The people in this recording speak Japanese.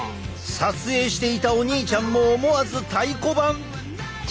撮影していたお兄ちゃんも思わず太鼓判！